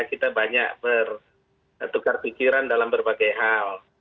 kita banyak bertukar pikiran dalam berbagai hal